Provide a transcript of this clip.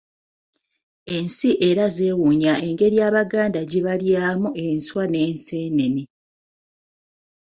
Ensi era zeewuunya engeri Abaganda gye balyamu enswa n'enseenene.